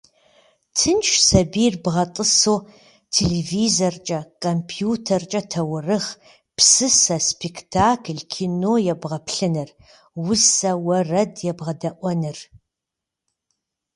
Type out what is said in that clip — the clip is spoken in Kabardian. Тыншщ сабийр бгъэтӏысу телевизоркӏэ, компьютеркӏэ таурыхъ, псысэ, спектакль, кино ебгъэплъыныр, усэ, уэрэд ебгъэдэӏуэныр.